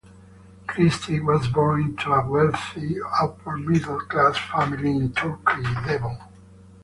Christie was born into a wealthy upper-middle-class family in Torquay, Devon.